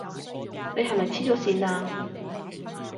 你係咪痴咗線呀？